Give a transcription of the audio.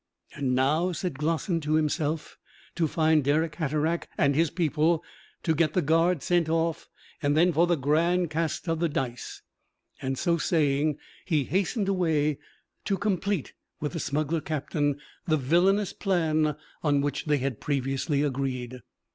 "And now," said Glossin to himself, "to find Dirck Hatteraick and his people to get the guard sent off and then for the grand cast of the dice." And so saying he hastened away to complete with the smuggler captain the villainous plan on which they had previously agreed.